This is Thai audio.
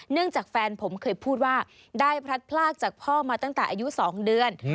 จากแฟนผมเคยพูดว่าได้พลัดพลากจากพ่อมาตั้งแต่อายุ๒เดือน